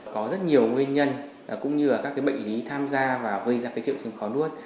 có rất nhiều nguyên nhân cũng như là các bệnh lý tham gia và gây ra triệu chứng khó nuốt